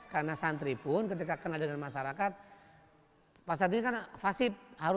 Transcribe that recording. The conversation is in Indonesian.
karena santri pun ketika kena dengan masyarakat pasat ini kan fasib